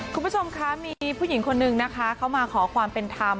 คุณผู้ชมคะมีผู้หญิงคนนึงนะคะเขามาขอความเป็นธรรม